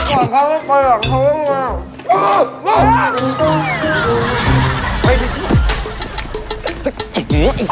เฮ้ยเรามากกว่าเขาไม่มีประหล่างครึ่ง